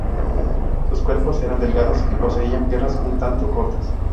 Sus cuerpos eran delgados y poseían piernas un tanto cortas.